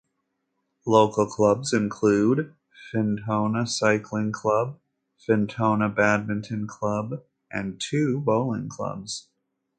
Local clubs include Fintona Cycling Club, Fintona Badminton Club and two bowling clubs.